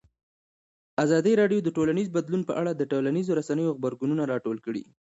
ازادي راډیو د ټولنیز بدلون په اړه د ټولنیزو رسنیو غبرګونونه راټول کړي.